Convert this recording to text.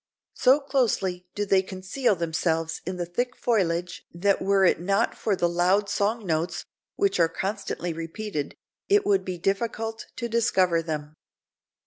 So closely do they conceal themselves in the thick foliage that were it not for the loud song notes, which are constantly repeated, it would be difficult to discover them."